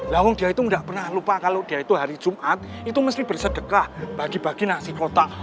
lawang dia itu nggak pernah lupa kalau dia itu hari jumat itu mesti bersedekah bagi bagi nasi kotak